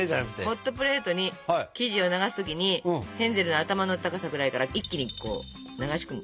ホットプレートに生地を流す時にヘンゼルの頭の高さくらいから一気に流し込む。